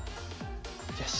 よし。